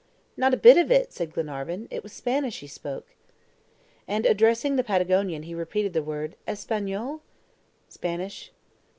"Not a bit of it!" said Glenarvan. "It was Spanish he spoke." And addressing the Patagonian, he repeated the word, "ESPANOL?" (Spanish?).